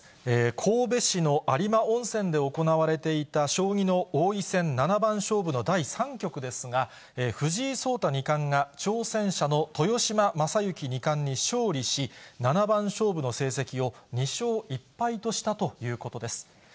神戸市の有馬温泉で行われていた、将棋の王位戦七番勝負の第３局ですが、藤井聡太二冠が、挑戦者の豊島将之二冠に勝利し、七番勝負の成績を２勝１敗としたということです。